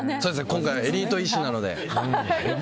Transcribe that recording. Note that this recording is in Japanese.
今回、エリート医師なので。